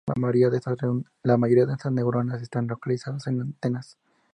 La mayoría de estas neuronas están localizadas en las antenas.